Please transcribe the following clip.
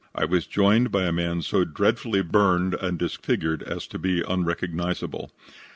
I was joined by a man so dreadfully burned and disfigured as to be unrecognizable.